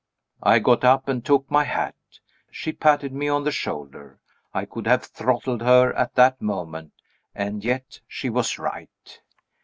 I got up and took my hat. She patted me on the shoulder. I could have throttled her at that moment. And yet she was right.